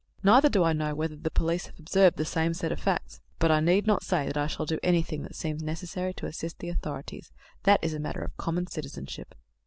Neither do I know whether the police have observed the same set of facts; but I need not say that I shall do anything that seems necessary to assist the authorities. That is a matter of common citizenship."